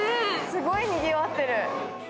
すごいにぎわってる。